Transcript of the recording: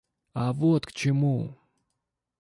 А вот к чему!